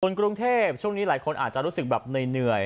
กรุงเทพช่วงนี้หลายคนอาจจะรู้สึกแบบเหนื่อย